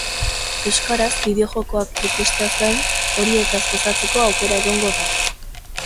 Euskarazko bideo-jokoak ikusteaz gain, horietaz gozatzeko aukera egongo da.